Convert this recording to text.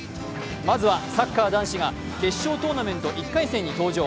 まずは、サッカー男子が決勝トーナメント１回戦に登場。